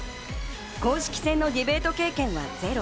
公式戦のディベート経験はゼロ。